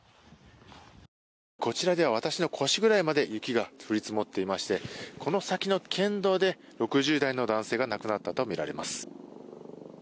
こちらでは私の腰くらいまで雪が積もっていましてこの先の県道で６０代の男性が亡くなったとみられます。